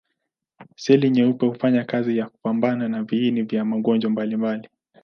Seli nyeupe hufanya kazi ya kupambana na viini vya magonjwa mbalimbali.